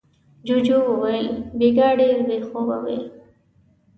جوجو وويل: بېګا ډېر بې خوبه وې.